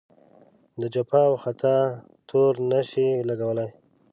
د جفا او خطا تور نه شي لګولای.